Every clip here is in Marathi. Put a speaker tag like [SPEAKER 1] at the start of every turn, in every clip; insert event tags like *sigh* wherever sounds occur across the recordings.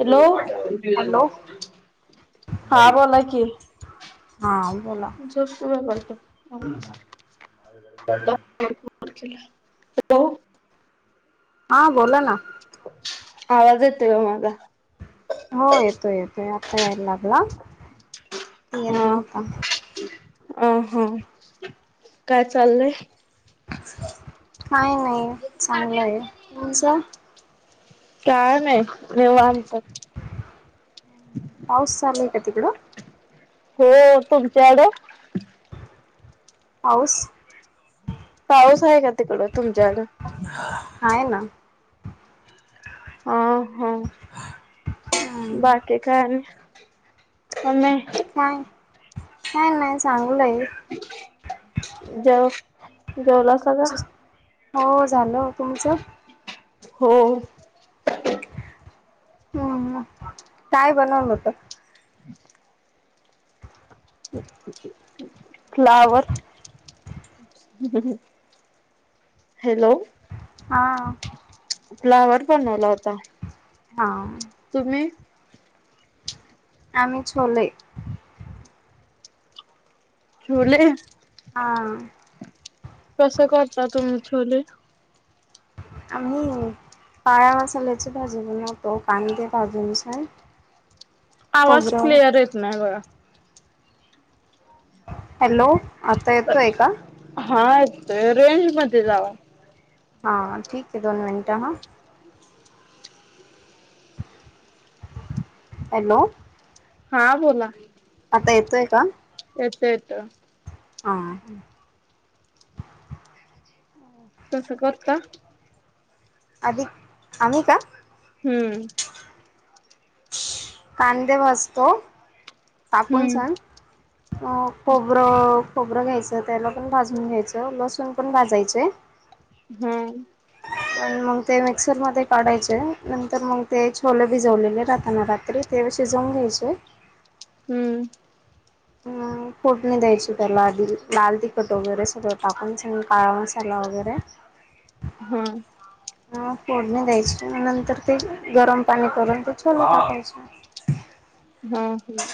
[SPEAKER 1] हॅलो हा बोला की
[SPEAKER 2] हा बोला
[SPEAKER 1] झप खू व्यापत
[SPEAKER 2] र
[SPEAKER 1] हॅलो
[SPEAKER 2] हा बोला ना
[SPEAKER 1] आवाजेत ग मला
[SPEAKER 2] हो येतोय येतोय आता यायला लागला त येत
[SPEAKER 1] हा
[SPEAKER 2] नवता
[SPEAKER 1] अ हा काय चाललंय
[SPEAKER 2] काय नाही चांगलं आहे तुमचं
[SPEAKER 1] काय नाही नेव आम प
[SPEAKER 2] पाऊसचाय का तिकड
[SPEAKER 1] हो तुमच्याकड
[SPEAKER 2] पाऊस
[SPEAKER 1] पाऊस आहे का तिकडं तुमच्याला
[SPEAKER 2] आहेय ना
[SPEAKER 1] हा हा
[SPEAKER 2] हम्म
[SPEAKER 1] बाकी काय मम
[SPEAKER 2] काय काय नाही सांग
[SPEAKER 1] जाऊ जेवला स का
[SPEAKER 2] हो झालं तुमचं
[SPEAKER 1] हो
[SPEAKER 2] हम्म काय बनवलं होत
[SPEAKER 1] हम् फ्लावर ह हॅलो
[SPEAKER 2] हा
[SPEAKER 1] फ्लावर बनवला होता
[SPEAKER 2] हा
[SPEAKER 1] तुम्ही
[SPEAKER 2] आम्ही ले
[SPEAKER 1] ोले *unintelligible*
[SPEAKER 2] हां
[SPEAKER 1] कसं करता तुम्ही छोले
[SPEAKER 2] आम्ही काळ मसाल्याची भाजी बणव तो कांदे भाजूनस आहे
[SPEAKER 1] आवाज क्लिअर येत नाही ग
[SPEAKER 2] हॅलो आता येतोय का
[SPEAKER 1] हा य रेंज मध्ये जावा
[SPEAKER 2] हा ठीक आहे दोन मिनिट हा हॅलो
[SPEAKER 1] हा बोला
[SPEAKER 2] आता येतोय का
[SPEAKER 1] येतो येतोय
[SPEAKER 2] ह ह
[SPEAKER 1] तसं होत का
[SPEAKER 2] आम्ही का
[SPEAKER 1] हम्म
[SPEAKER 2] कांदे भाजतो काकून
[SPEAKER 1] हम्म
[SPEAKER 2] सण अ खोबरं खोबरं घ्यायचं त्याला पण भाजून घ्यायचं लसूण पण भाजायचे
[SPEAKER 1] हम्
[SPEAKER 2] आणि मग ते मिक्सर मध्ये काढायचे नंतर मग ते छोले भिजवलेले राताना रात्री ते शिजवून घ्यायचे
[SPEAKER 1] हम्म
[SPEAKER 2] फोडणी द्यायची त्याला आधी लाल तिखट वगैरे सगळं टाकून सांग काळा मसाला वगैरे
[SPEAKER 1] हम
[SPEAKER 2] फोडणी द्यायची नंतर ते गरम पाणी करून ते छोले टाकायचे
[SPEAKER 1] हम् हम्म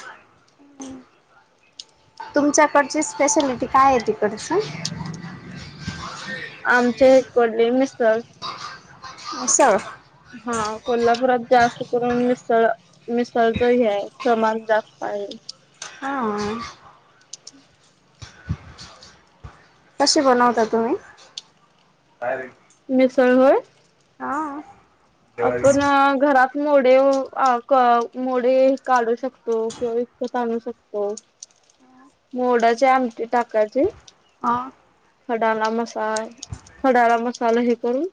[SPEAKER 2] तुमच्याकडची स्पेशलिटी काय आहे तिकडच
[SPEAKER 1] आमचे हे कोल्ले मिसल
[SPEAKER 2] अससं
[SPEAKER 1] हा कोल्हापुरात जास्त करून मिसळ मिसळच हे आहे प्रमाण जास्त आहे
[SPEAKER 2] हा कसे बनवता तुम्ही
[SPEAKER 1] सरह
[SPEAKER 2] हा
[SPEAKER 1] आपण घरात मोडे मोडे काढू शकतो किंवा वत आणू शकतो मोडाचे आमटी टाकाचे
[SPEAKER 2] हा हा
[SPEAKER 1] खडाला मसा खडाला मसाला हे करून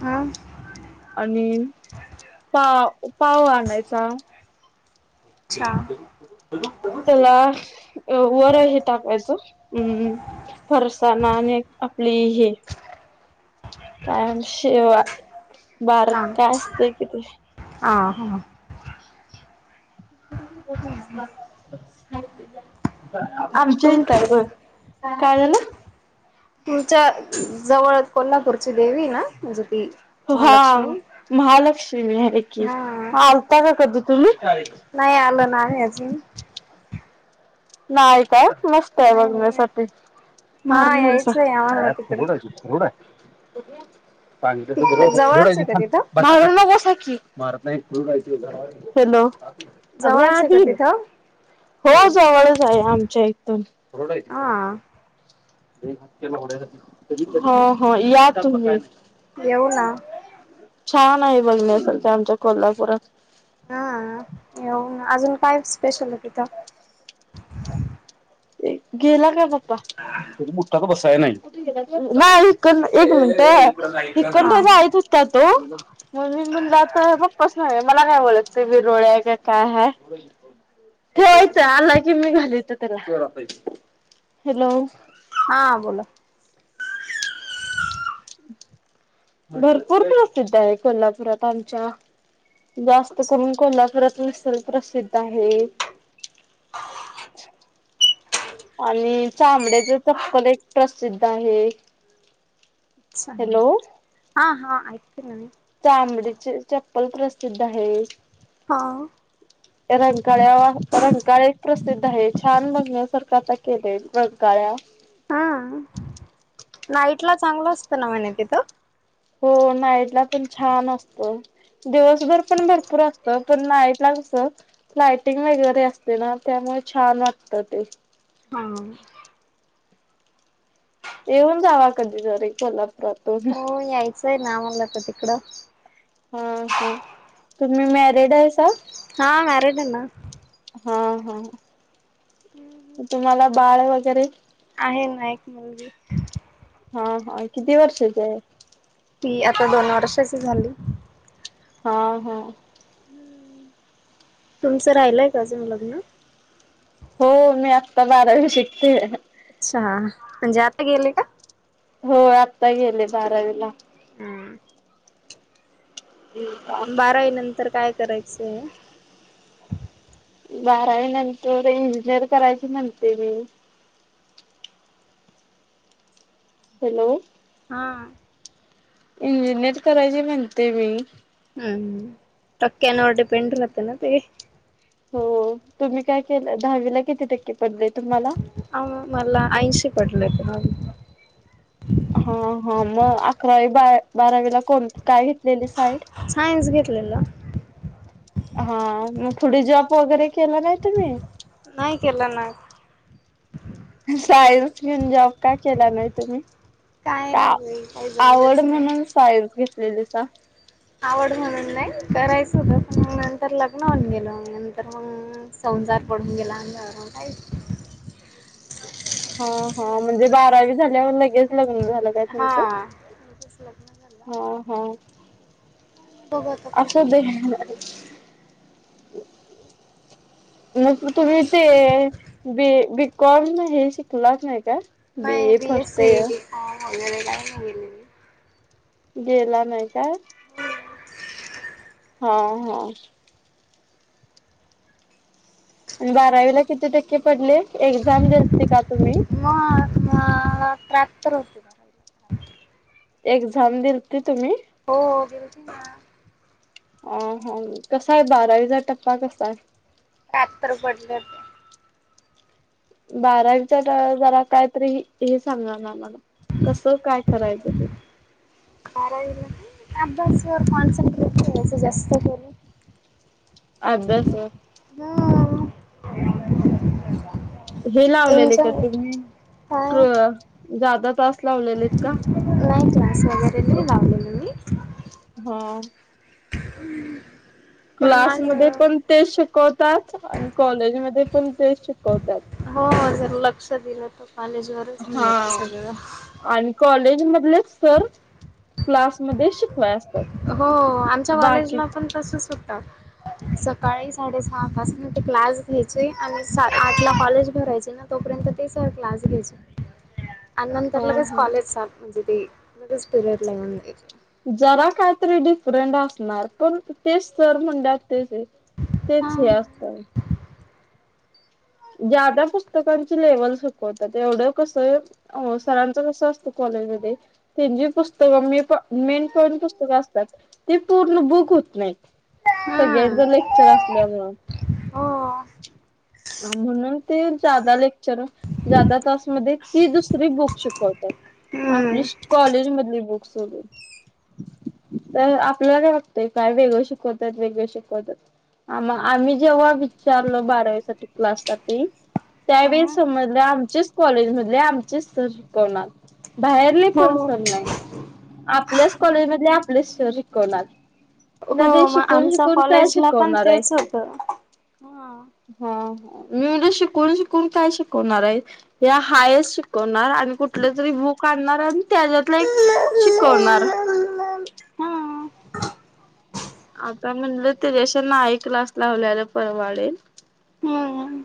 [SPEAKER 2] हा
[SPEAKER 1] आणि पाव पाव आणायचा
[SPEAKER 2] अच्छा
[SPEAKER 1] त्याला वर हे टाकायचं हम् फरसाणा आणि आपली हे कायमसेेवा बारक काय असतय किती
[SPEAKER 2] ह हां
[SPEAKER 1] आमच्या
[SPEAKER 2] तुम
[SPEAKER 1] इ आहे पण काय झालं
[SPEAKER 2] तुमच्या जवळ कोल्हापूरची देवी ना म्हणजे ती
[SPEAKER 1] हा
[SPEAKER 2] महालक्ष्मी
[SPEAKER 1] महालक्ष्मी आहे की
[SPEAKER 2] हा
[SPEAKER 1] आता का कधी तुम्ही
[SPEAKER 2] नाही आलं नाम अज
[SPEAKER 1] ना मस्त आहे
[SPEAKER 2] नाही
[SPEAKER 1] बघण्यासाठी
[SPEAKER 2] हा
[SPEAKER 1] मारडरड
[SPEAKER 2] यायचंय आम्हाला तिकडं तिकड जवळच आहे
[SPEAKER 1] बरोबा
[SPEAKER 2] का तिथं?
[SPEAKER 1] क मार का हॅलो अगव्या
[SPEAKER 2] जवळच आहे का
[SPEAKER 1] आधी
[SPEAKER 2] तिथं?
[SPEAKER 1] हो जवळ आमच्या इथून
[SPEAKER 2] हा
[SPEAKER 1] हो हो या तुम्ही
[SPEAKER 2] येऊ ना
[SPEAKER 1] छान आहे बघण्यासारख आमच्या कोल्हापुरात
[SPEAKER 2] हा येऊ अजून काय स्पेशल आहे तिथं
[SPEAKER 1] गेला का बाप्पा मोठा बसाय नाही नाही एक मिनिट हे
[SPEAKER 2] हा
[SPEAKER 1] कंठ्याचा आहेतच का तो मीणला तर बप्पस नाही मला नाही बोलतते ब रोळ आहे का काय ह ठेवायचं आला की मी घालायचं त्याला हॅलो
[SPEAKER 2] हा बोला
[SPEAKER 1] भरपूर प्रसिद्ध आहे कोल्हापुरात आमच्या जास्त करून कोल्हापुरात मी सल प्रसिद्ध आहे आणि चांमड्याच चप्पल एक प्रसिद्ध आहे
[SPEAKER 2] अच्छा हा हा ऐकते न म
[SPEAKER 1] चमडीचे चप्पल प्रसिद्ध आहे
[SPEAKER 2] हा
[SPEAKER 1] रंगगळ्या रंगळे प्रसिद्ध आहे छान बघण्या सरकारचा केले रंगगळ्या
[SPEAKER 2] हम् नाईट ला चांगलं असतं ना म्हणे तिथं
[SPEAKER 1] हो नाईटला पण छान असत दिवसभर पण भरपूर असत पण नाईट लागस लायटिंग वगैरे असते ना त्यामुळे छान लागत ते
[SPEAKER 2] ह
[SPEAKER 1] येऊन जावा कधी जर कोल्हापुरातून
[SPEAKER 2] नामलात तिकडं
[SPEAKER 1] हा हा तुम्ही मॅरिड आहे सा
[SPEAKER 2] हा मॅरिड ना
[SPEAKER 1] हा हा
[SPEAKER 2] हम्म हम्
[SPEAKER 1] तुम्हाला बाळ वगैरे
[SPEAKER 2] आहे ना एकक म्हणजे
[SPEAKER 1] हा हा किती वर्षाचे आहे
[SPEAKER 2] ती आता दोन वर्षाची झाली
[SPEAKER 1] हा हा
[SPEAKER 2] तुमचं राहिलय का अजून लग्न
[SPEAKER 1] हो मी आत्ता बारावी शिकतेय.
[SPEAKER 2] अच्छा म्हणजे आता गेले का?
[SPEAKER 1] होय आत्ता गेले बारावीला.
[SPEAKER 2] हम्म बारावी नंतर काय करायचंय
[SPEAKER 1] बारावी नंतर इंजिनिअर करायचे म्हणते मी. हॅलो
[SPEAKER 2] हा
[SPEAKER 1] इंजिनिअर करायचे म्हणते मी.
[SPEAKER 2] हम्म टक्क्यांवर डीपेंड राहत ना ते
[SPEAKER 1] हो तुम्ही काय केलं? दहावीला किती टक्के पडलेत?
[SPEAKER 2] आ मला ऐंशी पडललेत दहावीत.
[SPEAKER 1] हा हा मग अकरावी बा बारावीला कोण काय घेतलेली साईड?
[SPEAKER 2] सायन्स घेतलेलं
[SPEAKER 1] हा मग पुढे जॉप वगैरे केलं नाय तुम्ही
[SPEAKER 2] नाही केला ना.
[SPEAKER 1] सायन्स घेऊन जॉब का केला नाय तुम्ही?
[SPEAKER 2] काय
[SPEAKER 1] का
[SPEAKER 2] नाही काही
[SPEAKER 1] आवड
[SPEAKER 2] जमलंच नाही
[SPEAKER 1] म्हणून सायन्स घेतलेलीसा.
[SPEAKER 2] आवड म्हणून नाय करायचं होत, पण नंतर लग्न होन गेल नंतर मग सं सारात पडून गेला आराम काय?
[SPEAKER 1] *unintelligible* हा हा म्हणजे बारावी झाल्यावर लगेच लग्न झालं काय
[SPEAKER 2] हा
[SPEAKER 1] तुमचं?
[SPEAKER 2] लग्न झालं.
[SPEAKER 1] हा
[SPEAKER 2] नाही बघू आता पुढे
[SPEAKER 1] असु दे.
[SPEAKER 2] काय
[SPEAKER 1] मग तुम्ही ते बी बी कॉम हे शिकलाच नाही काय बी
[SPEAKER 2] नाही
[SPEAKER 1] ए फस्ट
[SPEAKER 2] बीएससी
[SPEAKER 1] इअर.
[SPEAKER 2] *unintelligible* गेलेली.
[SPEAKER 1] गेला नाय का?
[SPEAKER 2] *inaudible*
[SPEAKER 1] हा हा आणि बारावीला किती टक्के पडले. एक्झाम दिलती का तुम्ही?
[SPEAKER 2] त्र्यांहात्तर होते बारावीला मला
[SPEAKER 1] एक्झाम दिलती तुम्ही.
[SPEAKER 2] हो दिलती ना.
[SPEAKER 1] अ हं कसाय बारावीचा टप्पा कसाय.
[SPEAKER 2] त्र्यांहत्तर पडले होते.
[SPEAKER 1] बारावीच्या जरा काय तरी हे सांगा ना म- कसं काय करायचं ते
[SPEAKER 2] बारावीला अभ्यासवर कॉन्सन्ट्रेट जास्त करू.
[SPEAKER 1] अभ्यासवर
[SPEAKER 2] *unintelligible*
[SPEAKER 1] हे लावलेले का
[SPEAKER 2] एन्जॉय
[SPEAKER 1] तुम्ही
[SPEAKER 2] काय
[SPEAKER 1] त जादा लावलेले त का?
[SPEAKER 2] नाही क्लास वगैरे नाही लावलेलं मी
[SPEAKER 1] ह
[SPEAKER 2] *inaudible* पण
[SPEAKER 1] क्लासमध्ये
[SPEAKER 2] माझं
[SPEAKER 1] पण तेच शिकवतात आणि कॉलेजमध्ये पण तेच शिकव
[SPEAKER 2] हो जरा लक्ष दिलं तर कॉलेज वरच होऊन जात
[SPEAKER 1] हा
[SPEAKER 2] सगळं.
[SPEAKER 1] आणि कॉलेज मधलेचं सर क्लास मध्ये शिकवाय अस
[SPEAKER 2] हो आमच्या कॉलेजला पण तसच होत. सकाळी साडेसहा पासन ते क्लास घ्यायचे आणि सा आठ ला कॉलेज भरायचे ना तोपर्यंत क्लास घेयच *inaudible*
[SPEAKER 1] *inaudible*
[SPEAKER 2] आणि नंतर लगेच
[SPEAKER 1] हा
[SPEAKER 2] कॉलेज चाल म्हणजे ते लगेच पिरियड ला येऊनची.
[SPEAKER 1] जरा कायतरी डिफरंट असणार पण तेच सर म्हणात. तेच तेच हे
[SPEAKER 2] हा
[SPEAKER 1] असत. ज्यादा पुस्तकांची लेवल सुकवतात एवढं कस अवसरांच कस असत. पुस्तके मेनपाॅन्ट पुस्तकं असतात ते पूर्ण बक. नाही सगळ्यांच लेक्चर असल्यामुळ.
[SPEAKER 2] हो
[SPEAKER 1] म्हणून ते जादा लेक्चर जादा तासमध्ये ती दुसरी बुक शिकवतात. आपली
[SPEAKER 2] हम्म.
[SPEAKER 1] कॉलेज मधली बुक्स वगे. तर आपल्याला काय वागतय काय वेगळं शिकवतात वेगळं शिकवतात. आ मग आम्ही जेव्हा विचारलो बारावी साठी क्लास साठी. त्यावेळे
[SPEAKER 2] हा.
[SPEAKER 1] समजलं आमचेच कॉलेज मधले आमचेच सर. बाहेरले पण
[SPEAKER 2] हो
[SPEAKER 1] सर नाही आपल्याच कॉलेज मध्ये आपलेच सर शिकवणार. मग ते
[SPEAKER 2] हो
[SPEAKER 1] शिकून
[SPEAKER 2] आमचा
[SPEAKER 1] शिकून काय
[SPEAKER 2] कॉलेजला पण
[SPEAKER 1] शिकवणार आहे.
[SPEAKER 2] तेच होतं. हा.
[SPEAKER 1] हा. मी म्हणजे शिकून शिकून काय शिकवणार आहे या हायस शिकवणार आणि कुठले तरी. काढणार आणि त्याच्यात एक शिकवणार.
[SPEAKER 2] हा
[SPEAKER 1] आता म्हणलं ते जशा नाई कलास लावल्याला परवडेल.
[SPEAKER 2] हम्म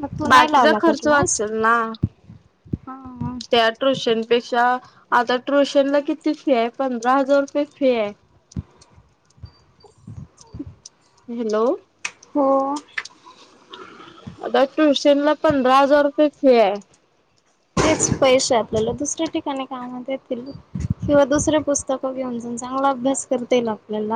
[SPEAKER 2] मग तू नाही
[SPEAKER 1] बाकीचा
[SPEAKER 2] लावला का
[SPEAKER 1] खर्च
[SPEAKER 2] क्लास?
[SPEAKER 1] वाचेल ना
[SPEAKER 2] हा.
[SPEAKER 1] त्या टूशन. पेक्षा आता ट्युशन ला किती फी आहे पंधरा हजार रुपये फी आहे. *inaudible* हॅलो.
[SPEAKER 2] हो.
[SPEAKER 1] आता ट्युशन ला पंधरा हजार रुपये फी आहे.
[SPEAKER 2] तेच पैसे आपल्याला दुसऱ्या ठिकाणी कामात येतील किंवा दुसरे पुस्तक घेऊन जाऊ सांग. मग अभ्यास करता येईल आपल्याला.